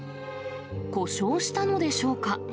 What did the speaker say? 故障したのでしょうか。